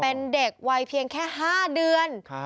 เป็นเด็กวัยเพียงแค่๕เดือน